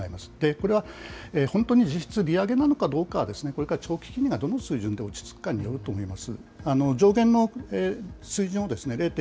これは本当に実質、利上げなのかどうかは、これから長期的にはどの水準によるかと思います。